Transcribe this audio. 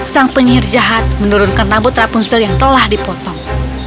sang penyihir jahat menurunkan rambut rapunzel yang telah dipotong